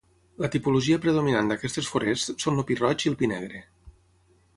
La tipologia predominant d'aquestes forests són el pi roig i el pi negre.